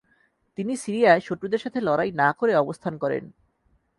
তিনি সিরিয়ায় শত্রুদের সাথে লড়াই না করে অবস্থান করেন।